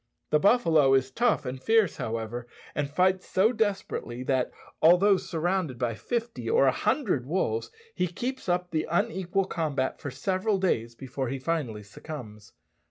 The buffalo is tough and fierce, however, and fights so desperately that, although surrounded by fifty or a hundred wolves, he keeps up the unequal combat for several days before he finally succumbs.